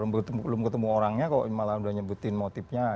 belum ketemu orangnya kok malah sudah menyebutkan motifnya